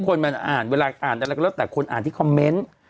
คนมันอ่านเวลาอ่านอะไรก็แล้วแต่คนอ่านที่คอมเมนต์